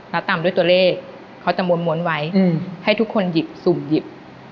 แล้วตามด้วยตัวเลขเขาจะม้วนไว้ให้ทุกคนหยิบสุ่มหยิบ